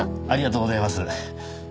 ありがとうございます。